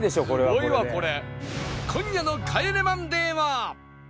すごいわこれ！